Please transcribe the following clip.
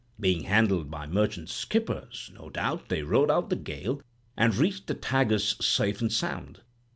Being handled by merchant skippers, no doubt they rode out the gale, and reached the Tagus safe and sound.